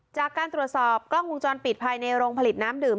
จากการตรวจสอบกล้องวงจรปิดภายในโรงผลิตน้ำดื่ม